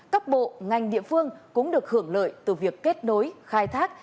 các bộ ngành địa phương cũng được hưởng lợi từ việc kết nối khai thác